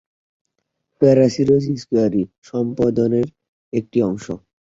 প্যারাসিরোস স্কুয়ারি সম্প্রদায়ের একটি অংশ।